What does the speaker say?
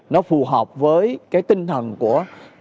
nó phù hợp với cái tinh thần của